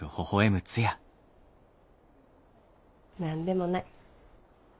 何でもない。